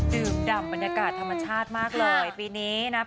ดื่มดำบรรยากาศธรรมชาติมากเลยปีนี้นะ